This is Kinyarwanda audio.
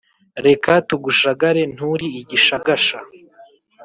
reka tugushagare nturi igishagasha